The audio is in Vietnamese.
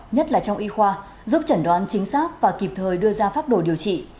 nhất là trong y khoa giúp chẩn đoán chính xác và kịp thời đưa ra pháp đồ điều trị